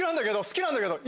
好きなんだけど！